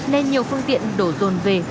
nên nhiều phương tiện đổ dồn về